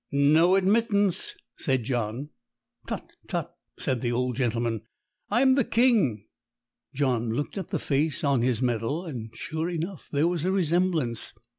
"No admittance," said John. "Tut, tut!" said the old gentleman. "I'm the King." John looked at the face on his medal, and sure enough there was a resemblance.